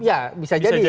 ya bisa jadi